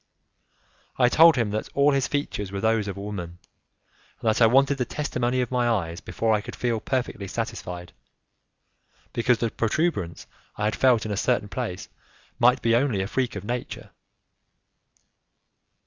I told him that all his features were those of a woman, and that I wanted the testimony of my eyes before I could feel perfectly satisfied, because the protuberance I had felt in a certain place might be only a freak of nature.